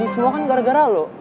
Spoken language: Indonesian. ini semua kan gara gara lo